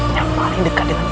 yang paling dekat dengan